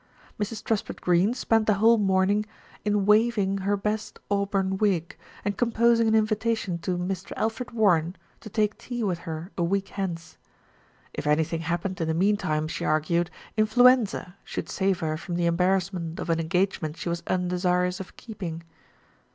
Mrs. Truspitt Greene spent the whole morning in 220 THE RETURN OF ALFRED "waving" her best auburn wig, and composing an in vitation to "Mr. Alfred Warren" to take tea with her a week hence. If anything happened in the meantime, she argued, influenza should save her from the embar rassment of an engagement she was undesirous of keeping.